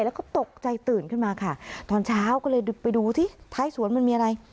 แล้วก็ตกใจตื่นขึ้นมาค่ะตอนเช้าก็เลยไปดูที่ท้ายสวนมันมีอะไร